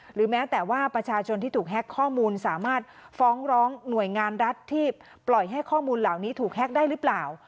หรือแม้แต่ว่าประชาชนที่ถูกแฮ็กข้อมูลสามารถฟ้องร้องหน่วยงานรัฐที่ปล่อยให้ข้อมูลเหล่านี้ถูกแฮ็กได้หรือเปล่า